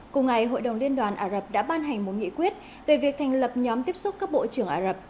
cùng ngày hội đồng liên đoàn ả rập đã ban hành một nghị quyết về việc thành lập nhóm tiếp xúc các bộ trưởng ả rập